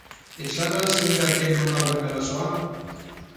Esan ahal zenidake non dagoen arazoa?